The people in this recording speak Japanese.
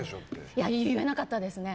いや、言えなかったですね。